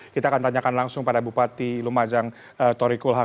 kita akan tanyakan langsung pada bupati lumajang tori kulham